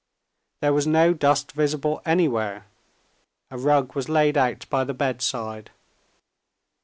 There was no dust visible anywhere, a rug was laid by the bedside.